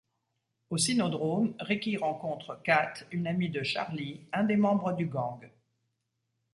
Au cynodrome, Ricky rencontre Cat, une amie de Charlie, un de membres du gang.